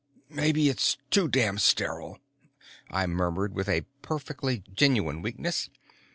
"Maybe it's too damn sterile," I murmured with a perfectly genuine weakness.